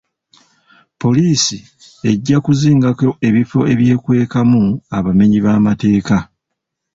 Poliisi ejja kuzingako ebifo ebyekwekamu abamenyi b'amateeka.